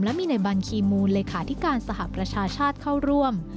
และมีในบัญชีมูลเลขาธิการสหประชาชาติเข้าร่วม